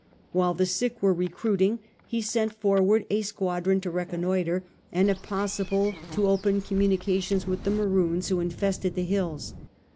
While the sick were recruiting he sent forward a squadron to reconnoiti?e, and, if possible, to open communications with the Maroons who infested the hills.